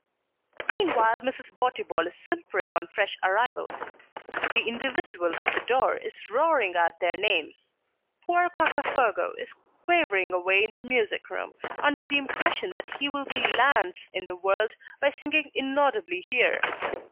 Meanwhile Mrs. Botibol is simpering on fresh arrivals; the individual at the door is roaring out their names; poor Cacafogo is quavering away in the music room, under the impression that he will be LANCE in the world by singing inaudibly here.